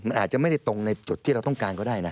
มันอาจจะไม่ได้ตรงในจุดที่เราต้องการก็ได้นะ